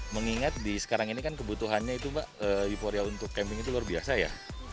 mengingat di sekarang ini kan kebutuhannya itu mbak euforia untuk camping itu luar biasa ya